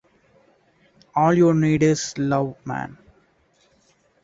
All you need is love, man.